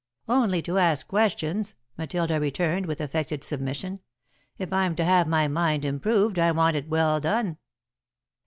"Only to ask questions," Matilda returned, with affected submission. "If I'm to have my mind improved I want it well done."